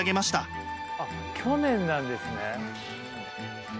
あっ去年なんですね。